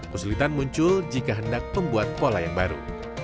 kesulitan muncul jika hendak membuat pola yang baru